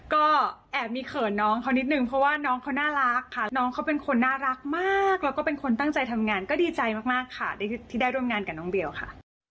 ก็แอบมีเขินน้องเขานิดนึงเพราะว่าน้องเขาน่ารักค่ะน้องเขาเป็นคนน่ารักมากแล้วก็เป็นคนตั้งใจทำงานก็ดีใจมากค่ะที่ได้ร่วมงานกับน้องเบลค่ะ